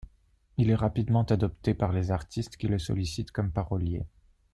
Il est rapidement adopté par les artistes qui le sollicite comme parolier.